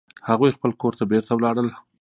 هغوی خپل کور ته بیرته ولاړل